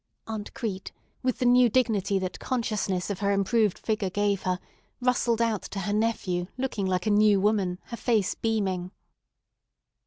Aunt Crete, with the new dignity that consciousness of her improved figure gave her, rustled out to her nephew looking like a new woman, her face beaming.